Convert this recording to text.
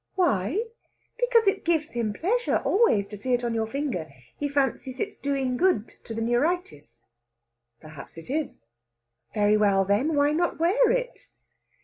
"Why? Because it gives him pleasure always to see it on your finger he fancies it's doing good to the neuritis." "Perhaps it is." "Very well, then; why not wear it?"